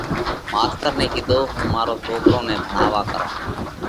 ماستر نئہ ڪِيڌو: هُون مارون سوڪرون نئہ ڀڻاووا ڪرونه؟